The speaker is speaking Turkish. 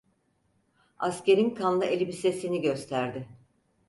Askerin kanlı elbisesini gösterdi.